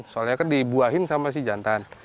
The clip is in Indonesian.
soalnya kan dibuahin sama si jantan